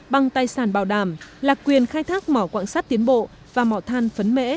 bằng tài sản bảo đảm là quyền khai thác mỏ quảng sát tiến bộ và mỏ than phấn mễ